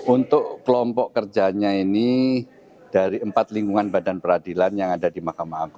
untuk kelompok kerjanya ini dari empat lingkungan badan peradilan yang ada di mahkamah agung